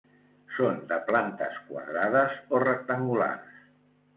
Són de plantes quadrades o rectangulars.